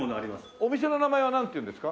お店の名前はなんていうんですか？